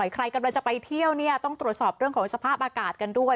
ใครกำลังจะไปเที่ยวเนี่ยต้องตรวจสอบเรื่องของสภาพอากาศกันด้วย